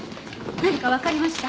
何かわかりました？